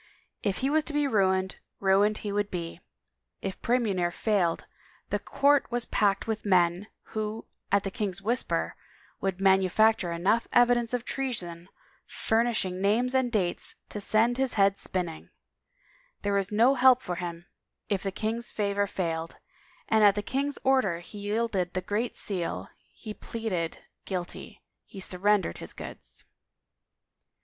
If he was to be ruined, ruined he would be; if Praemunire failed, the court was packed with men, who, at the king's whisper, would manufacture enough evi dence of treason, furnishing names and dates, to send his head spinning, There was no help for him if the 206 A FAREWELL TO GREATNESS king's favor failed, and at the king's order he yielded the Great Seal, he pleaded guilty, he surrendered his goods.